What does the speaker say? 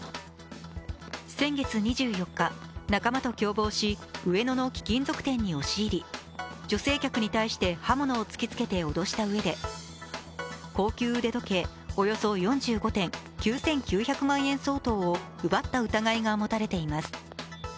先月２４日、仲間と共謀し上野の貴金属店に押し入り女性客に対して刃物を突きつけて脅したうえで高級腕時計およそ４５点、９９００万円相当を奪った疑いが持たれています。